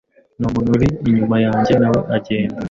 n'umuntu uri inyuma yanjye nawe agenda: